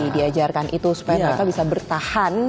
diajarkan itu supaya mereka bisa bertahan